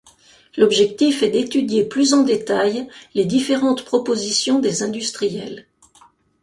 L'objectif est d'étudier plus en détail les différentes propositions des industriels.